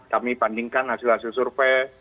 kami bandingkan hasil hasil survei